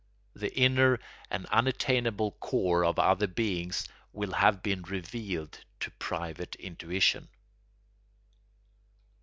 The inner and unattainable core of other beings will have been revealed to private intuition.